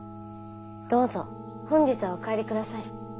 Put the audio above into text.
どうぞ本日はお帰りください。